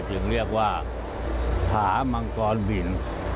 จึงเรียกว่าผามังกรบิน